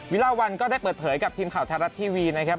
ลาวัลก็ได้เปิดเผยกับทีมข่าวไทยรัฐทีวีนะครับ